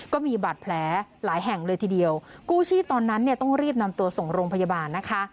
ก็มีบาดแผลหลายแห่งเลยทีเดียวกู้ชีพตอนนั้นเนี่ยต้องรีบนำตัวส่งโรงพยาบาลนะคะ